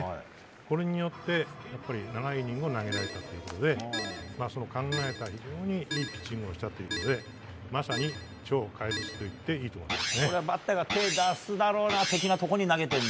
これによって長いイニングを投げられたということで考えられた、いいピッチングでまさに超怪物と言っていいと思います。